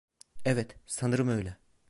Evet, sanırım öyle.